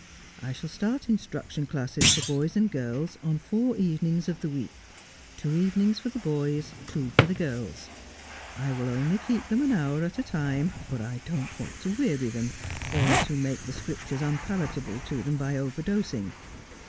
I shall start instruction classes for boys and girls on four evenings of the week, two evenings for the boys, two for the girls. I will only keep them an hour at a time, for I don't want to weary them, or to make the Scriptures unpalat able to them by overdosing.